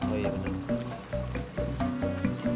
oh iya betul